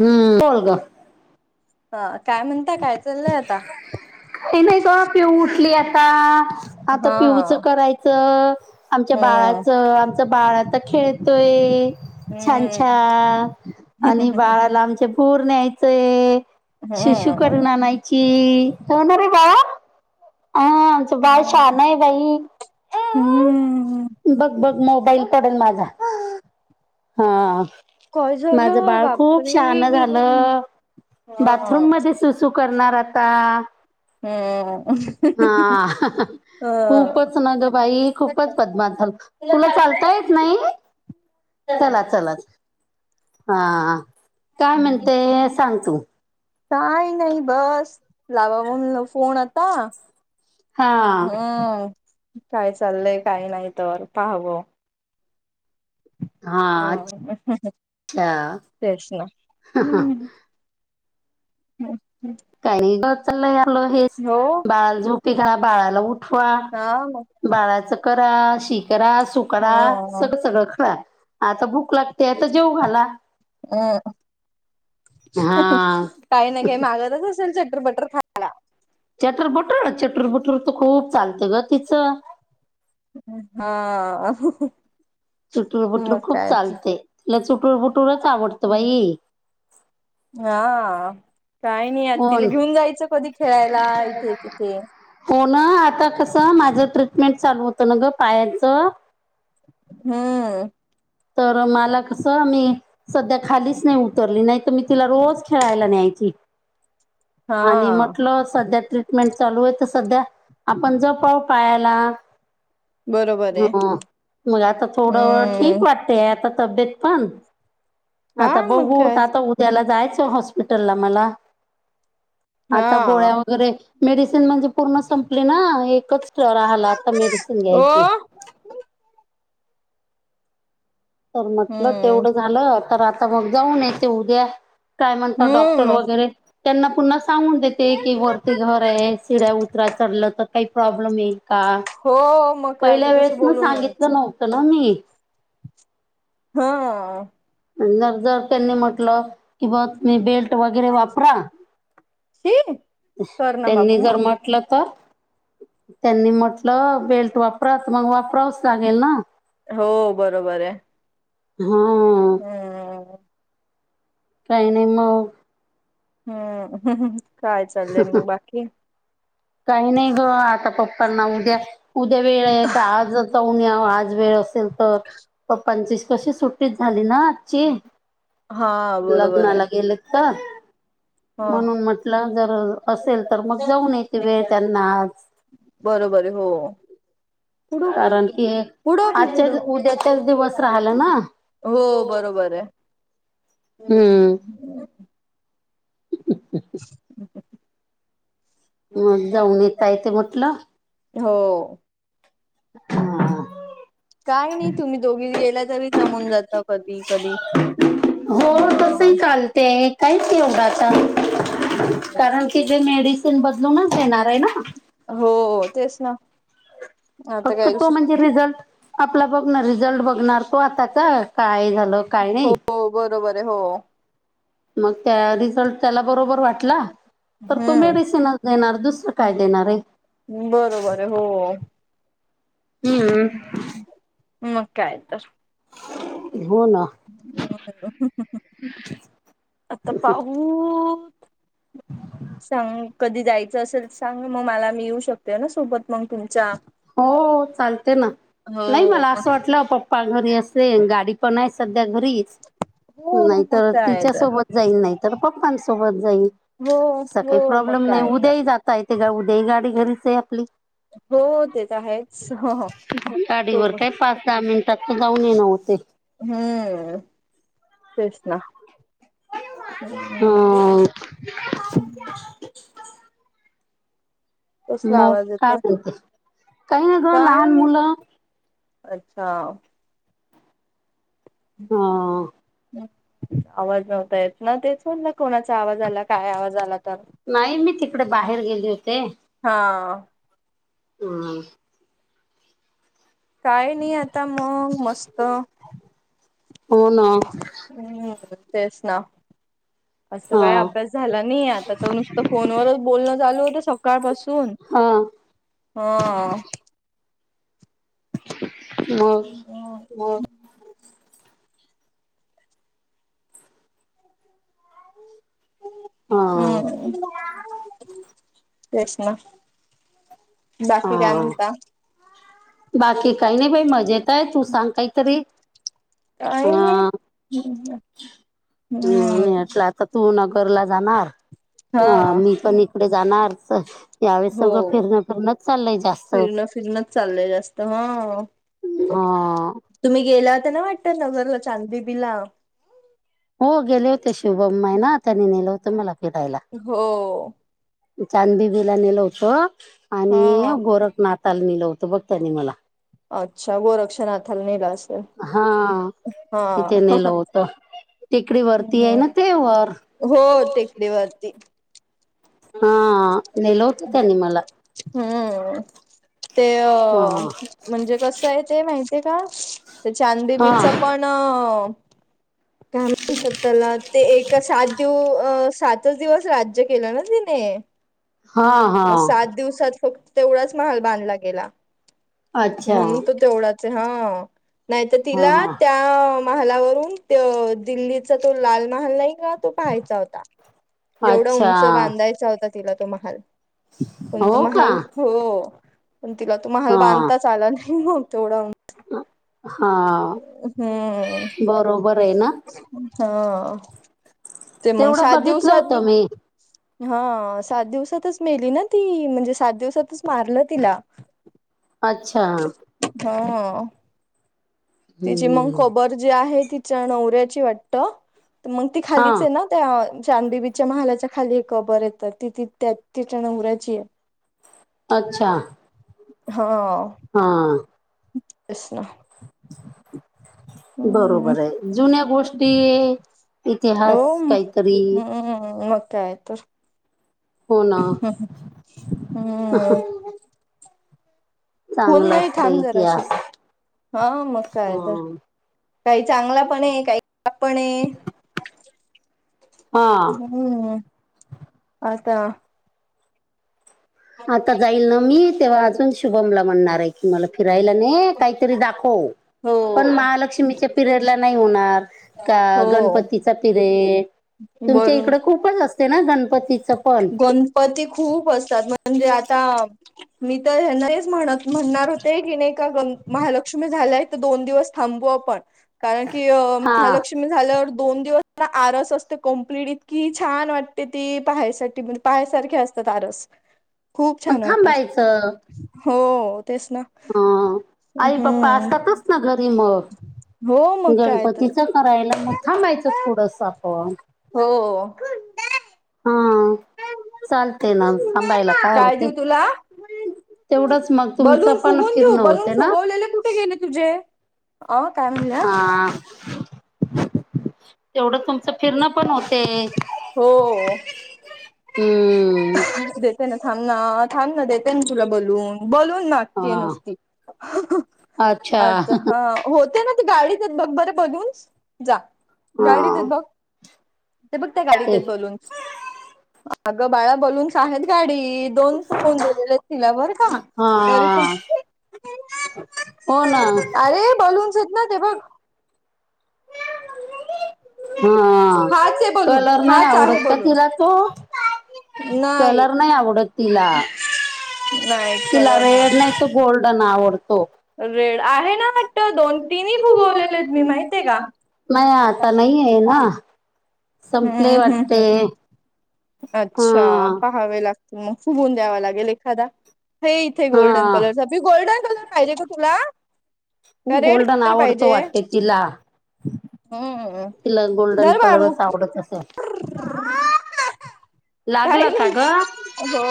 हम्म [inaudible] अ काय म्हणता काय चाललंय आता? हे नाही ग पिऊ उठली आता आता पिऊच हा करायचं. आमच्या हम्म बाळाचं आमचं बाळ आता खेळतोय. छान हम्म छान आणि बाळाला आमचे भूर न्यायचंय. हम म्हयची होणार रे बाळा? हा आमचं बाळ शान नाही बाई. हम्म हम्म बघ बघ मोबाईल पडेल माझा हा माझ बाळ खूप शहान झालं बाथरूम मध्ये सु सु करणार आता. हम् हा खूपच नाद बाई खूपच बदमास झाला तुला चालता येत नाही चला चला हा काय म्हणते सांग तू? काय नाहीय बस लाव फोन आता हा हम काय चाललंय काही नाही तर पाहावं? हा हम अच्छा तेच ना हम् हम् [unintelligible] काही नाही चाल आपल हेच हो बाळाला झोपी घाला. बाळाला उठवा. ह [unintelligible] बाळाचं करा. शी करा. सु करा ह सगळ सगळ खरा आता भूक लागते आता जेऊ घाला. हम.. हा काही ना काही मागतच असेल सटर फटर खा चटुर भटूर ना चटुर बटूर तर खूप चालतं ग तिचं. हा. चुटूर बुटूर मग खूप काय चालते. तुला चुटूर बुटूरच आवडतं बाई. हा काही नाही. आ हो तिला ना घेऊन जायचं कधी खेळायला इथे तिथे. हो ना आता कसं माझं ट्रीटमेंट चालू होतं ना ग पायाचं. हम्म. तर मला कसं मी सध्या खालीच नाही उतरली. नाही तर मी तिला रोज खेळायला न्यायची. हा आणि म्हटलं सध्या तरी ट्रीटमेंट चालू आहे. तर सध्या आपण जपाव पायाला बरोबर आहे ह मग आता थोडं ठीक हम्म हे आता तब्येत पण हा आता मग बघू काय आता हो त्याला जायचं हॉस्पिटल ला मला आता हा गोळ्या वगैरे मेडिसिन म्हणजे पूर्ण संपली ना एकच तर राहला आता मेडिसिन ओ घ्यायची. तर म्हटलं हम्म तेवढं झालं तर आता मग जाऊन येते उद्या. काय म्हणतात हम्म डॉक्टर मग वगैरे त्यांना पुन्हा सांगून देते की वरती घर आहे सिड्या उतराया चढलं तर काही प्रॉब्लेम येईल का? हो मग काय पहिल्या तर तसं वेळेस न बोलून सांगितलं यायचं नव्हतं ना मी. हा. आणि नाही जर त्यांनी म्हटलं की बघ तुम्ही बेल्ट वगैरे वापरा. ए त्यांनी जर म्हटलं तर त्यांनी म्हट ल बेल्ट वापरात मग वापरावच लागेल ना. हो बरोबर आहे हा हम्म काही नाही मग. हम्म काय चाललंय मग बाकी? काही नाही ग आता पप्प ना उद्या उद्या वेळ आहे का? आज जाऊन या आज वेळ असेल तर पप्पांची कशी सुटी च झाली ना आजची हा बरोबर आहे लग्नाला गेले तर. ह म्हणून म्हटलं जर असेल तर मग जाऊन येते वेळ त्यांनाच बरोबर हो. कारण की उडव उडव की आजच्याच उडव. उद्याच्याच दिवस राहिला ना हो बरोबर आहे. हम्म, [unintelligible] मग जाऊन येता येते म्हटलं. हो. हम हम काही नाही तुम्ही दोघीच गेला तरी जमून जात कधी कधी हो ते कायच योगाचा कारण कि जे मेडिसिन बदलूनच देणार आहे ना. हो तेच ना आता फक्त काय तो दुसर म्हणजे रिझल्ट, आपला बघणार रिझल्ट बघणार तो आता का काय झालं तो काही नाही हो बरोबर आहे हो मग त्या रिझल्ट त्याला बरोबर वाटला. तर तो हम्म मेडिसिनच देणार दुसरं काय देणार आहे. बरोबर आहे हो. हम्म मग काय तर हो ना आता पाहू सांग कधी जायचं असेल सांग म मला मी येऊ शकते ना सोबत मग तुमच्या हो चालते ना, नाही हो मला असं मग वाटलं पप्पा घरी असेन गाडी पण असेन. सध्या घरीच हो मग नाहीतर काय तिच्या तर सोबत जाईल नाहीतर पप्पां सोबत जाईन हो असं हो काही मग प्रॉब्लेम नाही काय तर उद्याही जाता येते ग उद्याही गाडी घरीच आहे आपली. हो ते तर आहेच हो हो गाडीवर काय पाच दहा मिनिटात तर जाऊन येनं होतंय. हम्म तेच ना हम्म होते कसला मग आवाज काय येतोय? म्हणते काही नाही ग काय लहान नाही. मुलं अच्छा हा आवाज नव्हता येत ना तेच म्हणलं कोणाचा आवाज आला काय आवाज आला तर नाही मी तिकडे बाहेर गेले होते. हा हम काय नाही आता मग मस्त हो ना हम तेच ना असं हा काय अभ्यास झाला नाही आता, तर नुसतं फोनवरच बोलणं चालू होतं सकाळपासून हां हा मग [unintelligible] हा हम्म तेच ना बाकी काय हा म्हणता बाकी काही नाही बाई मजेत हाय, तू सांग काहीतरी अ काय नाही [unintelligible] तू नगरला जाणार हा मी पण इकडे जाणारच यावेळेस हो सगळं फिरणं फिरणंच चाललंय जास्त सिजनच चाललय जास्त ह हा तुम्ही गेला तर ना वाटतात नजरला चांददीि बीला हो गेले होते शिवभम्माई ना त्यांनी नेलं होतं मला फिरायला हो चांदबिबीला नलवत हा आणि गोरखनाताल निलवत बघ त्यानी मला अच्छा गोरक्षनाथाला नला असेल हा हा तिथे नेलं होत टेिकडी वरती आहे हम्म ना ते वर ते हा नल होत त्यांनी मला हम्म ते हा अ म्हणजे कसं आहे ते माहितीय आहे का तर चांदी हा बीच पण का म्हणतात त्याला ते एक सात दिव अ सातच दिवस राज्य केलं ना ती हा मग सात हा दिवसात फक्त तेवढाच महाल बांधला गेला अच्छा म्हणून तो तेवढाच हा नाही तर तिला हा त्या महालावरून दिल्लीचा तो लाल महाल नाही का तो पहायचा होता जेवढा अच्छा उंच बांधायचा होता तिला तो महाल पण तु हो का महाल हो पण तिला तू महाल हा बांधताच आला नाही मग तेवढा हम्म हा बरोबर आहे ना हा ते मग तेवढं सात बघितलं दिवसात होतं मी हा सात दिवसातच मेली ना ती म्हणजे सात दिवसातच मारलं तिला अच्छा हा तिची मग हम्म कबर जी आहे तिच्या नवऱ्याची वाटतं तर मग ती हा खालीचं आहे ना त्या चांदी बीच्या महालाच्या खाली एकबर येतं ति त त्या तिच्या नवऱ्याचीयं अच्छा हंअ् हां बस ना हम्म बरोबर आहे जुन्या गोष्टी हो इतिहास म काहीतरी हम्म मग होणं हम ह हम्म फन चांगलं नाही थांब असतं जराशीिक इतिहास हा मग काय आता हं. काही चांगला पण आहे काही खब पण आहे हा हम्म आता आता जाईल ना मी तेव्हा अजून शुभमला म्हणणारं की मला फिरायला ने काहीतरी दाखवं हो पण महालक्ष्मीच्या पिरीयडला नाही होणार का हो गणपतीचा पिरेड तुमच्या बरोबर इकडं खूपच असते ना गणपतीचं पण गणपती खूप असतात म्हणजे आता मी तर यांना हेच म्हणतं म्हणणार होते की नही का गण महालक्ष्मी झाल्यायं तर दोन दिवस थांबू आपण कारण की अ हा महालक्ष् तुम्ही झाल्यावर दोन दिवस आरस असते कंप्लीट इतकी छानं वाटते ती पाहायसाठ ती पण पाहायसारखी असतात आरस खूप मग छानं वाटतात. थांबायचं हो तेच ना. अ आई पप्पा हम्म असतातचं. ना घरी हो मग मग काय तर गणपतीच करायला मग थांबायचं थोडंस आपण. हो हो. चालतयं ना थांबायला काय होतयं. देऊ तुला तेवढंच मग तुमच बलून पण फुगून देऊ फिरण बलून होते ना. फुगवलेले कुठे गेले तुझे अ काय म्हणल्या हा. तेवढं तुमचं फिरणं पण होते. हो. हम्म. देते ना थांब ना थांब ना देते ना तुला बलून बलून ना. ती हा नुसती अच्छा आता हा होते ना. ते गाडीत बघ बर बलून्स जा गाडीतेत हा बघ. ते बघ त्या ते गाडीत बलून्स अगं बाळा बलून्स. ताहेत गाडी दोन फुगवून दिलेलेतं तिला बरं का तरी पण. हा हो ना अरे बलून्स हेत ना ते बघ. ह हाच आहे बलून कलर नाही हाच आहे आवडतं का बलून. तुला तो. [inaudible] कलर नाही आवडतं तिला. नाही तिला कलर रेड नाही त गोल्डन आवडतो. रेड आहे ना का ती वाटतं दोन [unintelligible] तिन्ही किती फुगवलेले आहेत त मी माहितीये माहिती का. माह्य आता नाहीये ना संपलय हम्म वाटते. हम्म हा अच्छा पहावे लागतील मग फुगून द्यावा लागेल एखादा. हे इथे गोल्डन हा कलरचा पी गोल्डन कलर पाहिजे का तुला. का रेड गोल्डन कलर आवडतो पाहिजे? वाटतं तिला. हम्म तिला गोल्डन धर बाळू कलरच आवडतं असलं. काही लागलं का ग नही गो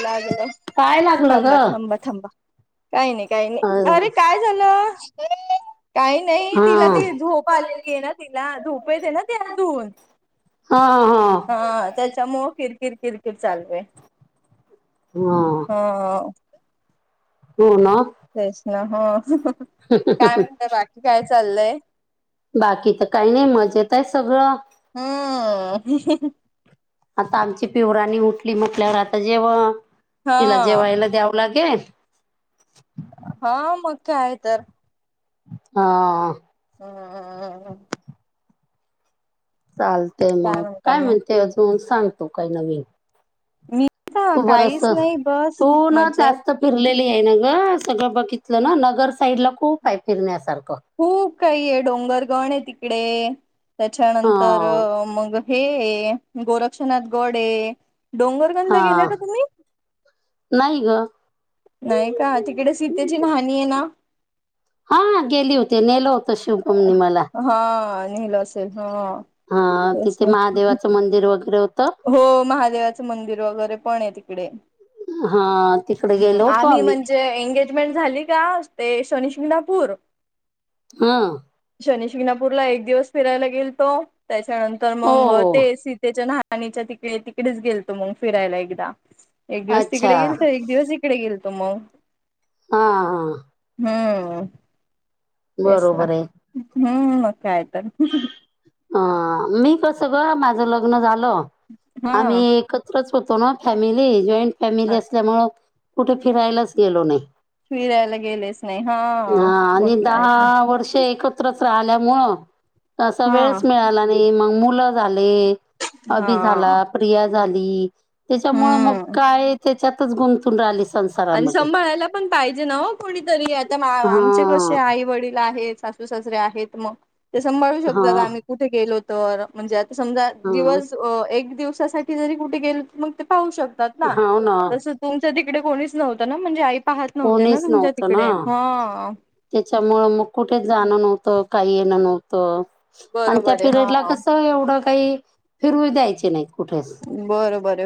लागलं. काय लागलं थांबा ग थांबा थांबा काही नाही काही नाही अ अरे काय झालं. काही नाही हा तिला ते झोप आलेली आहे ना तिला झोपेत ना ती आदून. हा हां. हा त्याच्यामुळे किरकिर किरकिर चालय. हा. हो. हो ना. तेच ना ह काय म्हणतय बाकी काय चाललंय? बाकी त काही नाही मजेत आहे सगळं. हम्म आता आमची पिऊराणी उठली म्हटल्यावर आता जेव तिला हा जेवायला द्यावं लागेल. हा मगं कायं तर. हा. हम हम हम [unintelligible] चालतेय मग म्हणता काय मग म्हणते अजून सांग तु काय नवीन. मी का तू बरस काहीचं नाही बस तू ना मजेत. जास्त फिरलेली हाय ना ग सगळं बघितलं ना नगर साईड ला खूप आहे फिरण्यासारखं. खूप काही हे डोंगरगण आहे तिकडे त्याच्यानंतर हा मग हे अ गोरक्षनाथ गड ये, डोंगरगंज ला हा गेले का तुम्ही? नाही ग. नाही का, तिकडे सीतेची न्हानी ना? हा गेली होती, नेल होतं शिवखुमनी मला. हा नेलं असेल, हा. हा तेच तिथे ना महादेवाचं मंदिर वगैरे होत. हो महादेवाचं मंदिर वगैरे पण ये तिकडे. हा तिकडे हम्म गेलो होतो आम्ही म्हणजे एंगेज मेन्ट झाली का, ते शनीशिगणापूर हन. शनी शिंगणापूरला एक दिवस फिरायला गेल तो, त्याच्यानंतर हो मग ते सीतेच्या ना नीच्या तिकडे-तिकडेच गेल तो मग फिरायला एकदा, एक दिवस अच्छा तिकडे गेलतो, एक दिवस इक डे गेलतो मग. हां आ आ. हम्म, तेच ना, बरोबर आहे हम् म काय तर. हा मी कस ग? माझं लग्न झालं हा आम्ही एक त्रच होतो ना फॅमिली, जॉईंट फॅमिली अ, असल्यामुळे, कुठ फिरायलाच गेलो नही. फिरायला गेलेच नाही हा मग आणि काय दहा तर आ वर्ष एकत्रच राहिल्यामुळं तसा हा वेळच मिळाला नाही, मग मुलं झाले, हा अभी झाला प्रिया झाली, त्याच्यामुळे मग हम्म काय त्याच्यातच गुंतून राहिलिस आणि सांभाळायला पण पाहिजे ना ओ कोणीतरी आता आमचे कसे हा आई वडील आहेत सासू -सासरे आहेत मग, ते सांभाळू हा शकतात आम्ही कुठे गेलो तर म्हणजे आता समजा, दिवस अ एक दिवसासाठी जरी कुठे गेल तर मग ते पाहू शक तात ना हा हो तसं तुमच्या तिकडे कोणीच नव्हंतना म्हणजे आई पाहत नव्हत्या ना कोणीच तुमच्या नव्हतं ना, तिकडे हा त्याच्यामुळं मग कुठेच जाणं नव्ह त, काही येण नव्हतं आणि त्या बरोबर आहे पिरियड ला हा कस एवढं काही फिरु द्यायचे नाही कुठेच. बरोबर